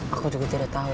aku juga tidak tahu